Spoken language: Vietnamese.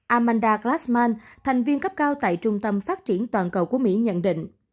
amanda glashman thành viên cấp cao tại trung tâm phát triển toàn cầu của mỹ nhận định